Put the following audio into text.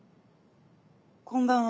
こんばんは。